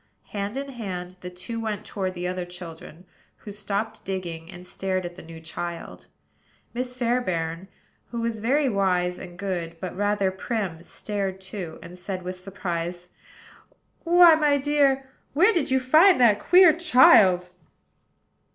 Hand in hand the two went toward the other children, who stopped digging, and stared at the new child. Miss Fairbairn, who was very wise and good, but rather prim, stared too, and said, with surprise: "Why, my dear, where did you find that queer child?"